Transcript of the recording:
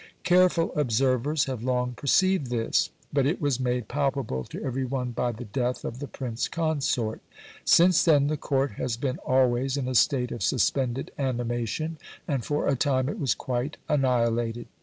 Careful observers have long perceived this, but it was made palpable to every one by the death of the Prince Consort. Since then the Court has been always in a state of suspended animation, and for a time it was quite annihilated.